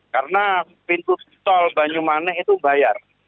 karena pintu tol banyumane itu bayar